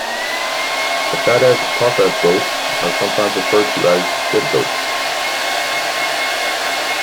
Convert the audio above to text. The Faddeev-Popov ghosts are sometimes referred to as "good ghosts".